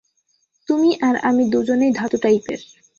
তুমি আর আমি দুজনেই ধাতু-টাইপের।